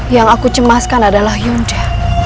yang aku cemaskan adalah hyunda